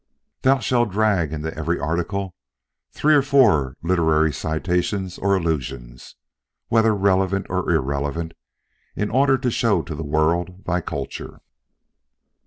Thou shalt drag into every article three or four literary citations or allusions, whether relevant or irrelevant, in order to show to the world thy culture.